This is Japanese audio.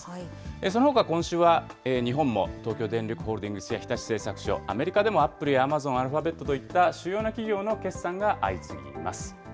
そのほか、今週は日本も東京電力ホールディングスや、日立製作所、アメリカでもアップルやアマゾン、アルファベットといった主要な企業の決算が相次ぎます。